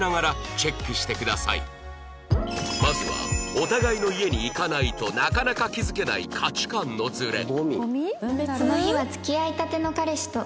まずはお互いの家に行かないとなかなか気付けない価値観のズレ